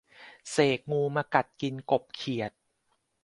เสกงูมากัดกินกบเขียด